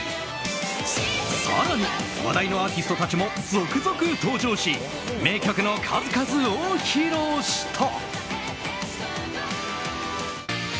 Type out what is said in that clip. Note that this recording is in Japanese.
更に話題のアーティストたちも続々登場し名曲の数々を披露した。